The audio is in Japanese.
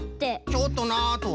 「ちょっとな」とは？